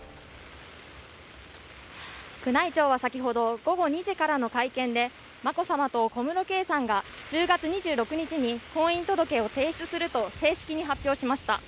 宮内庁は先ほど午後２時からの会見で眞子さまと小室圭さんが１０月２６日に婚姻届を提出すると正式に発表しました。